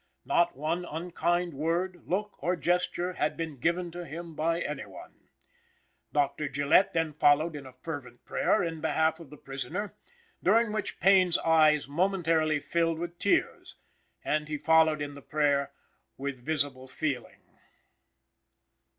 Not one unkind word, look, or gesture, had been given to him by any one. Dr. Gillette then followed in a fervent prayer in behalf of the prisoner, during which Payne's eyes momentarily filled with tears, and he followed in the prayer with visible feeling.